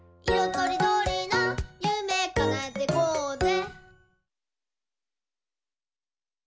とりどりなゆめかなえてこうぜ！」